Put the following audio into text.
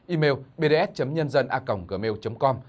email bds nhân dân a gmail com